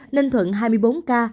ninh thuận hai hai mươi bốn ca